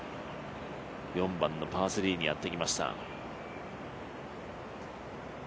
４番のパー３にやってきました。